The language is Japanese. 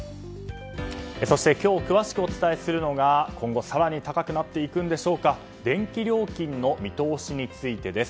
そして、今日詳しくお伝えするのが今後高くなっていくんでしょうか電気料金の見通しについてです。